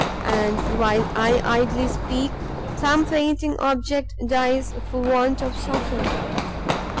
and while I idly speak, some fainting object dies for want of succour!